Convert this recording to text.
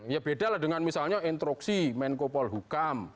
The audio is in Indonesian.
ya bedalah dengan misalnya interaksi menkopol hukam